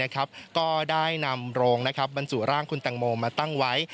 ก็ได้นำโรงบรรจุร่างคุณแตงโมมาตั้งไว้